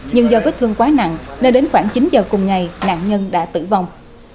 nhưng do vết thương quá nặng nên đến khoảng chín giờ cùng ngày nạn nhân đã tử vong